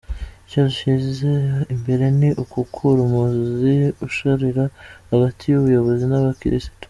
Icyo dushyize imbere ni ugukura umuzi usharira hagati y’ubuyobozi n’abakirisitu.